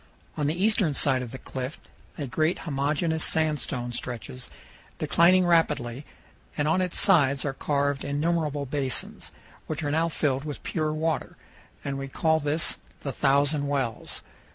On the eastern side of the cliff a great homogeneous sandstone stretches, declining rapidly, and on its sides are carved innumerable basins, which are now filled with pure water, and we call this the Thousand Wells.